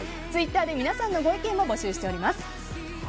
ツイッターで皆さんのご意見も募集しております。